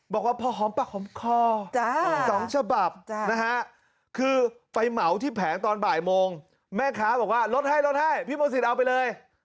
บอกว่าพอหอมปากหอมคอ๒ฉบับนะฮะคือไปเหมาที่แผงตอนบ่ายโมงแม่ค้าบอกว่าลดให้ลดให้พี่มนศิษย์เอาไปเลย